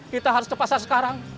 kita harus ke pasar sekarang